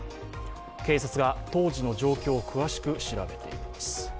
警察が当時の状況を詳しく調べています。